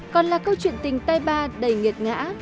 còn là câu chuyện tình tai ba đầy nghiệt ngã